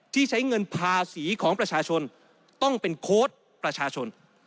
ที่ใช้เงินภาษีของประชาชนต้องเป็นโค้ชประชาชน